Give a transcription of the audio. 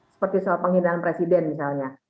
seperti soal penghinaan presiden misalnya